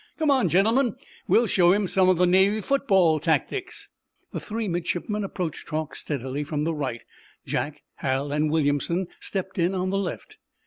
"Come on, gentlemen. We'll show him some of the Navy football tactics!" The three midshipmen approached Truax steadily from the right. Jack, Hal and Williamson stepped in on the left.